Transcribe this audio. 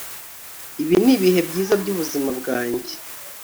ibi nibihe byiza byubuzima bwanjye